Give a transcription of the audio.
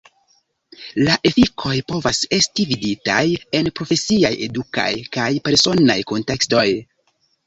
La efikoj povas esti viditaj en profesiaj, edukaj kaj personaj kuntekstoj.